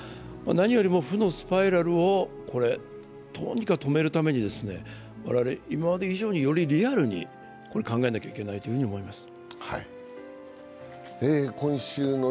何よりも負のスパイラルをどうにか止めるために我々、今まで以上によりリアルに考えないといけないと思います。